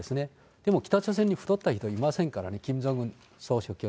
でも北朝鮮に太った人いませんからね、キム・ジョンウン総書記を